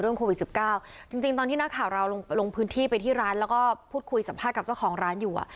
โควิด๑๙จริงตอนที่นักข่าวเราลงพื้นที่ไปที่ร้านแล้วก็พูดคุยสัมภาษณ์กับเจ้าของร้านอยู่อ่ะ